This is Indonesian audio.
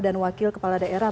dan wakil kepala daerah